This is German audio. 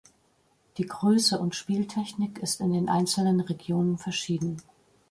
Die Größe und Spieltechnik ist in den einzelnen Regionen verschieden.